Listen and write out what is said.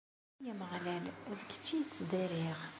Ay Ameɣlal, d kečč i ttdariɣ.